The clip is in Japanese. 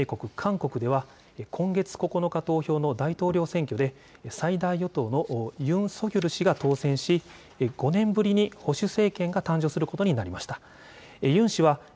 さらにアメリカの同盟国、韓国では今月９日投票の大統領選挙で最大野党のユン・ソギョル氏が当選し５年ぶりに保守政権が誕生することになりました。